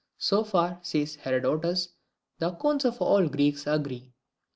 So far, says Herodotus, the accounts of all the Greeks agree.